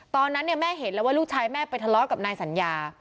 ตอนนั้นเนี่ยแม่เห็นแล้วว่าลูกชายแม่ไปทะเลาะกับนายสัญญา